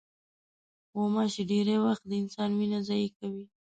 غوماشې ډېری وخت د انسان وینه ضایع کوي.